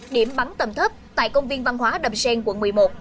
điểm bắn tầm thấp tại công viên văn hóa đầm xen quận một mươi một